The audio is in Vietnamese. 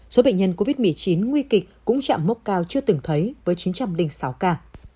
số bệnh nhân covid một mươi chín nguy kịch cũng chạm mốc cao chưa từng thấy với chín trăm linh sáu ca